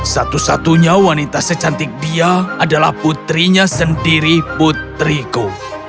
satu satunya wanita secantik dia adalah putrinya sendiri putriku